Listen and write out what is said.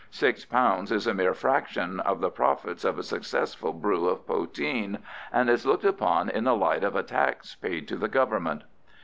£6 is a mere fraction of the profits of a successful brew of poteen, and is looked upon in the light of a tax paid to the Government.